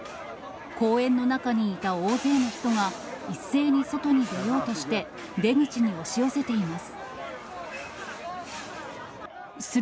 公園の中にいた大勢の人が、一斉に外に出ようとして、出口に押し寄せています。